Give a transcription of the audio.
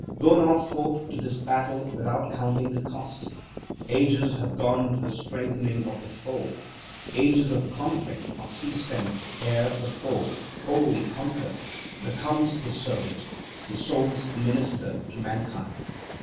Go not forth to this battle without counting the cost. Ages have gone to the strengthening of the foe. Ages of conflict must be spent, ere the foe, wholly conquered, becomes the servant, the Soul's minister to mankind.